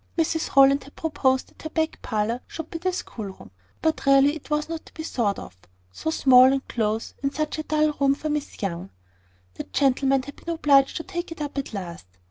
Mrs Rowland had proposed that her back parlour should be the schoolroom: but really it was not to be thought of so small and close, and such a dull room for Miss Young! The gentlemen had been obliged to take it up at last.